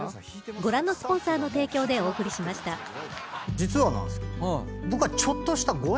実はなんですけど僕は。